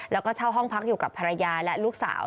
แล้วก็เช่าห้องพักอยู่กับภรรยาและลูกสาว